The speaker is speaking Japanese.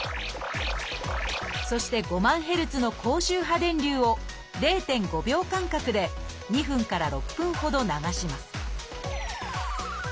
そして５万ヘルツの高周波電流を０．５秒間隔で２分から６分ほど流します